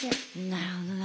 なるほどな。